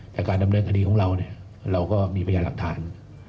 แต่การดำเนินคดีของเราเนี่ยเราก็มีพยานหลักฐาน